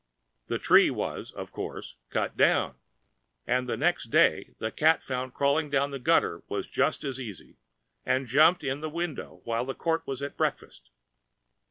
The tree was, of course, cut down; and the next day the cat found crawling down the gutter to be just as easy, and jumped in the window while the court was at breakfast.